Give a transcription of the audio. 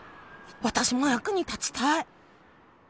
私も役に立ちたい。